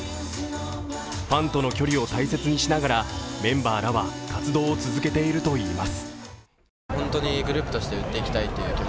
ファンとの距離を大切にしながらメンバーは活動を続けているといいます。